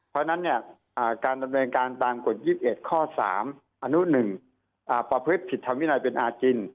เพราะฉะนั้นการดำเนินการตามกฎ๒๑ข้อ๓อนุ๑ประพฤติผิดธรรมวินัยเป็นอาจิน